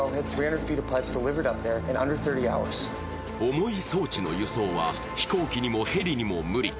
重い装置の輸送は飛行機にもヘリにも無理。